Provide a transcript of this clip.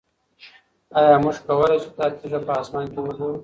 آیا موږ کولی شو دا تیږه په اسمان کې وګورو؟